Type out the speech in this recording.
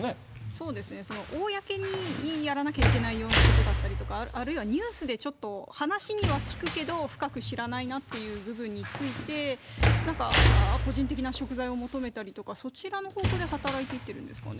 そうですね、公にやらなければいけないようなことやあるいは、ニュースでちょっと話には聞くけど、深く知らないなっていう部分について、なんか、個人的なしょく罪を求めたりとか、そちらの方向で働いていってるんですかね。